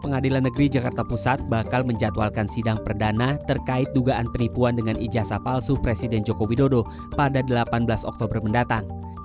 pengadilan jokowi dodo di jakarta pusat bakal menjatuhalkan sidang perdana terkait dugaan penipuan dengan ijazah palsu presiden jokowi dodo pada delapan belas oktober mendatang